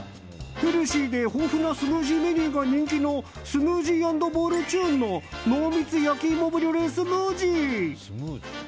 ヘルシーで豊富なスムージーメニューが人気のスムージーアンドボウルチューンの濃密やきいもブリュレスムージー。